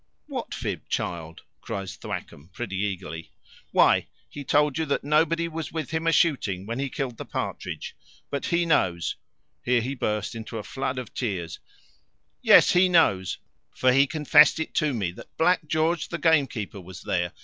"What fib, child?" cries Thwackum pretty eagerly. "Why, he told you that nobody was with him a shooting when he killed the partridge; but he knows" (here he burst into a flood of tears), "yes, he knows, for he confessed it to me, that Black George the gamekeeper was there.